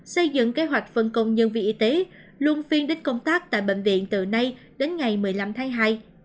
xây dựng kế hoạch phân công nhân viên y tế luôn phiên đến công tác tại bệnh viện từ nay đến ngày một mươi năm tháng hai